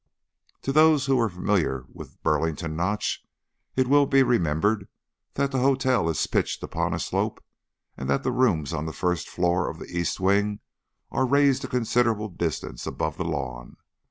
To those who are familiar with Burlington Notch, it will be remembered that the hotel is pitched upon a slope and that the rooms on the first floor of the east wing are raised a considerable distance above the lawn.